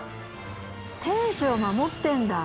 天守を守ってるんだ。